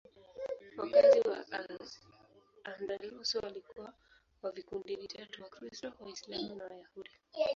Wakazi wa Al-Andalus walikuwa wa vikundi vitatu: Wakristo, Waislamu na Wayahudi.